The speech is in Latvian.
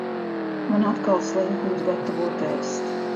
Man atkal slinkums gatavot ēst.